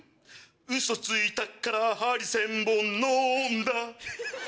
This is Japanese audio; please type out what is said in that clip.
ウソついたから針千本飲んだ！